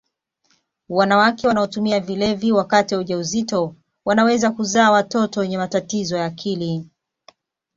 wanawake wanaotumia vilevi wakati wa ujauzito wanaweza kuzaa watoto wenye matatizo ya akili